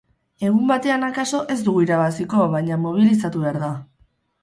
Egun batean akaso ez dugu irabaziko baina, mobilizatu behar da.